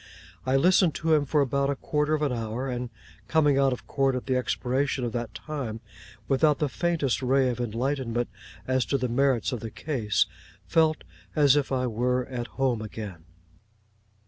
I listened to him for about a quarter of an hour; and, coming out of court at the expiration of that time, without the faintest ray of enlightenment as to the merits of the case, felt as if I were at home again.